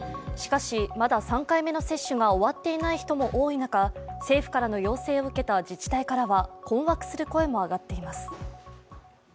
しかし、まだ３回目の接種が終わっていない人も多い中政府からの要請を受けた自治体からは困惑する声も上がっています。